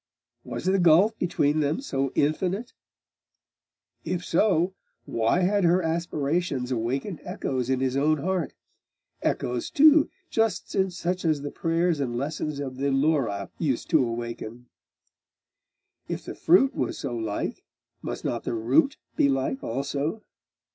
Was the gulf between them so infinite? If so, why had her aspirations awakened echoes in his own heart echoes too, just such as the prayers and lessons of the Laura used to awaken? If the fruit was so like, must not the root be like also?....